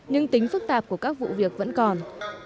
nhưng tính phức tạp của các vụ việc vẫn còn